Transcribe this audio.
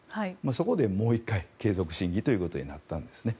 そこでもう１回継続審議ということになったんですね。